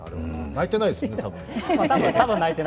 泣いてないですよね、たぶん。